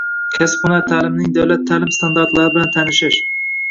kasb-hunar ta’limining davlat ta’lim standartlari bilan tanishish